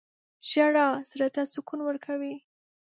• ژړا زړه ته سکون ورکوي.